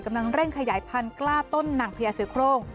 ดังนั้นเร่งขยายพันธุ์กล้าต้นหนังพิเศษโครง